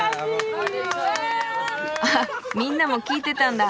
あっみんなも聞いてたんだ。